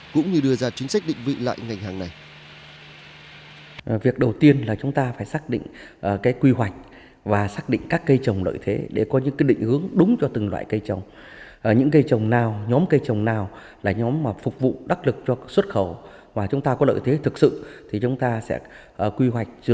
cũng như đưa ra chính sách định vị lại ngành hàng này